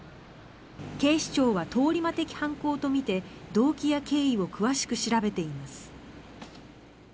警視庁は通り魔的犯行とみて動機や経緯を詳しく調べています。